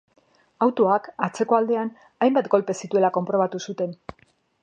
Autoak, atzeko aldean, hainbat kolpe zituela konprobatu zuten.